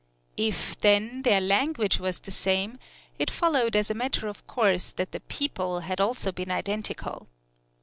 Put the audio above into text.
If, then, their language was the same, it followed as a matter of course that the people had been also identical.